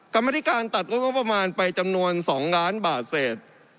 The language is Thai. กรรมธิการตัดงบประมาณไปจำนวน๒ล้านบาทเศษ